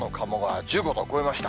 １５度を超えました。